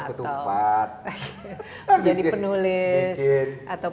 saat indahnya naik dunia bagi kita sekarang di pengertian seperti itu